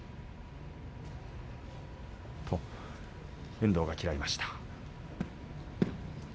遠藤が嫌いました。